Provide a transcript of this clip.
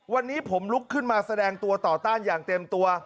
วันนี้ผมลุกขึ้นมาแสดงตัวต่อต้านอย่างเต็มตัว